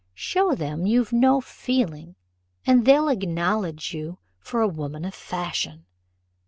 Show them you've no feeling, and they'll acknowledge you for a woman of fashion.